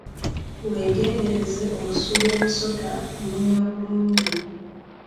Weegendereze olusu lw'omusota luwunya bulungi.